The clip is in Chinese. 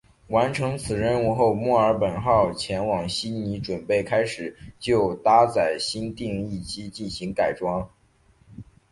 完成此任务后墨尔本号前往悉尼准备开始就搭载新定翼机进行改装。